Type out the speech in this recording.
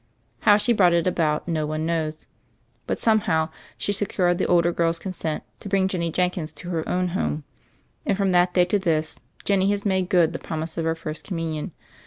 How she brought it about, no one knows; but somehow she secured the older girl's consent to bring Jenny Jen kins to her own home; and from that day to this Jenny has made good the promise of her First Communion.